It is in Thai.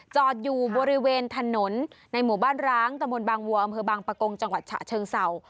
จอดอยู่บริเวณถนนในหมู่บ้านร้างตะมนต์บางวัวอำเภอบางปะกงจังหวัดฉะเชิงเศร้า